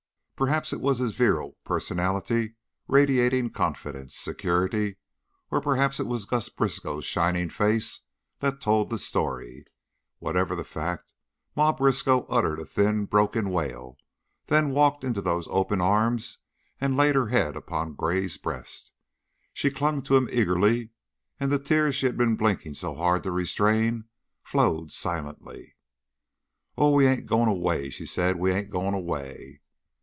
Perhaps it was his virile personality radiating confidence, security, or perhaps it was Gus Briskow's shining face that told the story; whatever the fact, Ma Briskow uttered a thin, broken wail, then walked into those open arms and laid her head upon Gray's breast. She clung to him eagerly and the tears she had been blinking so hard to restrain flowed silently. "Oh n h! We ain't goin'away!" she said. "We ain't goin' away!"